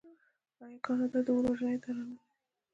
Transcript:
آیا کاناډا د اور وژنې اداره نلري؟